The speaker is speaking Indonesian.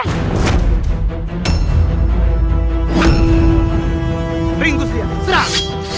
angkat keringku serang